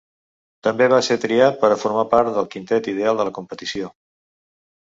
També va ser triat per a formar part del quintet ideal de la competició.